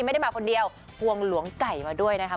ไม่ได้มาคนเดียวควงหลวงไก่มาด้วยนะครับ